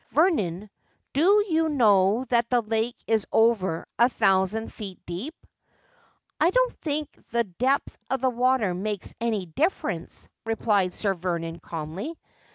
' Vernon, do you know that the lake is over a thou sand feet deep ?' 'I don't think the depth of water makes any difference,' replied Sir Vernon calmly.